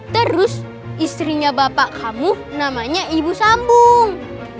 terus istrinya bapak kamu namanya ibu sambung